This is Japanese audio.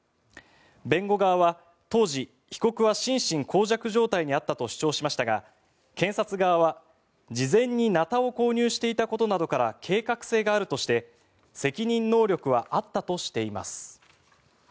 弁護側は当時被告は心神耗弱状態にあったと主張しましたが検察側は事前にナタを購入していたことなどから計画性があるとして責任能力はあったとしています。